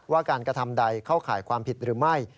ว่าการกระทำใดเข้าข่ายความผิดหรือไม่